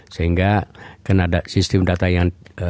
sehingga karena ada sistem data yang